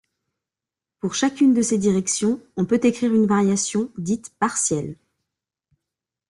Pour chacune de ces directions, on peut écrire une variation, dite partielle.